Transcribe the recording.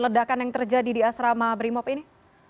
ledakan yang terjadi di asrama brimop ini